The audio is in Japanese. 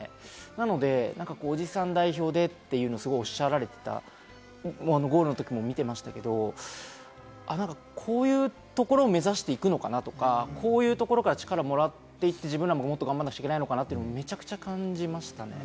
なので、おじさん代表でっていうのをすごいおっしゃられていた、ゴールのときも見てましたけど、こういうところを目指していくのかなとか、こういうところから力をもらっていて、自分らも、もっと頑張らなくちゃいけないのかなって、めちゃくちゃ感じましたね。